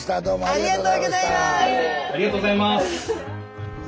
ありがとうございます。